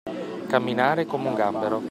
Camminare come un gambero.